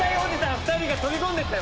２人が飛び込んでいったよ。